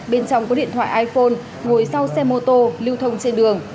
bên trong có điện thoại iphone ngồi sau xe mô tô lưu thông trên đường